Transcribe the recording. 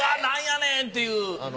なんやねんっていう。